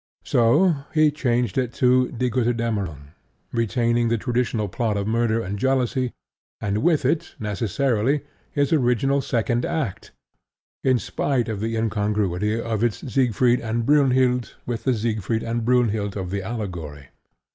So he changed it into Die Gotterdammerung, retaining the traditional plot of murder and jealousy, and with it, necessarily, his original second act, in spite of the incongruity of its Siegfried and Brynhild with the Siegfried and Brynhild of the allegory.